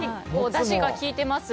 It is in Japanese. だしが効いてます？